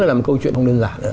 là một câu chuyện không đơn giản